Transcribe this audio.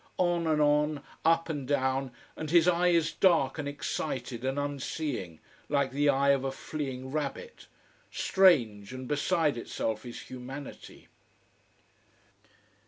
On and on, up and down, and his eye is dark and excited and unseeing, like the eye of a fleeing rabbit. Strange and beside itself is humanity.